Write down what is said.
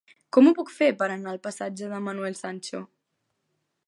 Com ho puc fer per anar al passatge de Manuel Sancho?